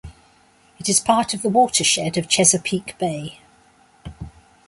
It is part of the watershed of Chesapeake Bay.